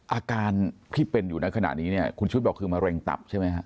อาการที่เป็นอยู่ในขณะนี้เนี่ยคุณชุดบอกคือมะเร็งตับใช่ไหมฮะ